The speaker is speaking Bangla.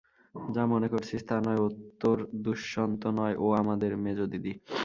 যা মনে করছিস তা নয়, ও তোর দুষ্যন্ত নয়– ও আমাদের মেজদিদি।